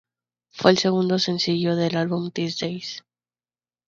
Fue el segundo sencillo del álbum "These Days".